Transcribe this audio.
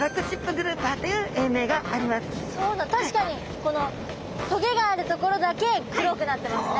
確かにこの棘があるところだけ黒くなってますね。